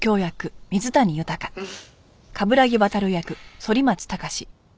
うん。